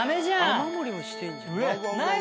雨漏りもしてんじゃない？